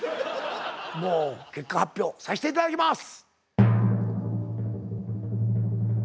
もう結果発表さして頂きます！